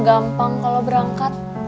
gampang kalau berangkat